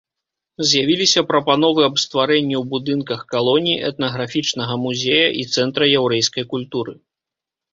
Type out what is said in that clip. З'явіліся прапановы аб стварэнні ў будынках калоніі этнаграфічнага музея і цэнтра яўрэйскай культуры.